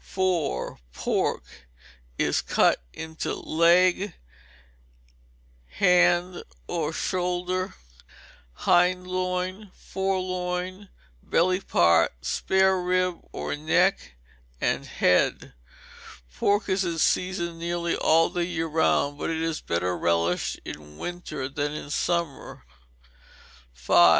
_ iv. Pork is cut into leg, hand or shoulder; hind loin; fore loin; belly part; spare rib, or neck; and head. Pork is in season nearly all the year round, but is better relished in winter than in summer. v.